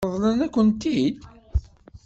Ṛeḍlen-akent-t-id?